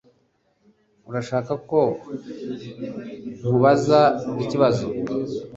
Urashaka ko nkubaza ikibazo?